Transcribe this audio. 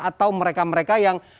atau mereka mereka yang